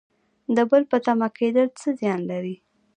د بل په تمه کیدل څه زیان لري؟